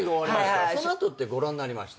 その後ってご覧になりました？